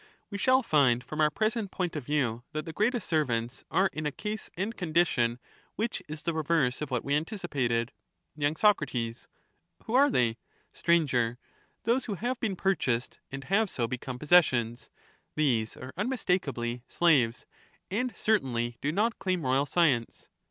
We shall find from our present point of view that But slaves the greatest servants are in a case and condition which is the ^^ulm^^ reverse of what we anticipated. royal y. Soc. Who are they ?^^^^: Sir. Those who have been purchased, and have so become possessions; these are unmistakeably slaves, and certainly do not claim royal science.